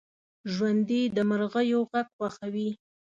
ژوندي د مرغیو غږ خوښوي